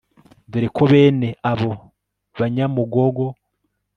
dore ko bene abo banyamugogo